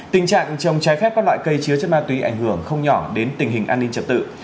tình trạng trồng trái phép các loại cây chứa chất ma túy ảnh hưởng không nhỏ đến tình hình an ninh trật tự